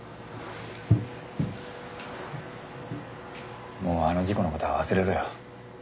もうあの事故のことは忘れろよ。